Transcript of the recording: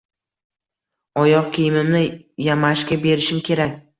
Oyoq kiyimimni yamashga berishim kerak.